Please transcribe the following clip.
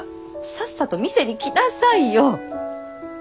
さっさと見せに来なさいよ！